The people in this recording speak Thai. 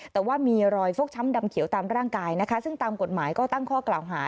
แต่ว่ามีรอยฟกช้ำดำเขียวตามร่างกายนะคะซึ่งตามกฎหมายก็ตั้งข้อกล่าวหา